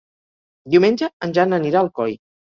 Diumenge en Jan anirà a Alcoi.